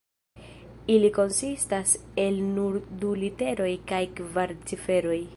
Ili konsistas el nur du literoj kaj kvar ciferoj.